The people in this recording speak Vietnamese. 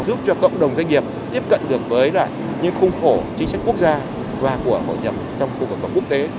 giúp cho cộng đồng doanh nghiệp tiếp cận được với những khung khổ chính sách quốc gia và của bộ nhập trong khu vực quốc tế